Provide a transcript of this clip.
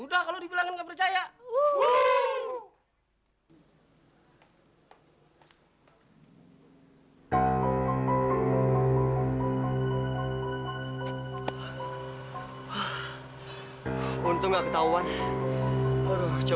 gak ada maling di rumah saya saya kan dari dalem